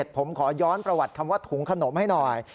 ผมขอย้อนประวัติคำว่าถุงขนมให้หน่อย